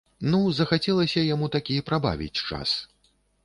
Ну, захацелася яму такі прабавіць час.